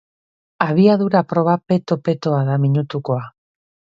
Abiadura proba peto-petoa da minutukoa.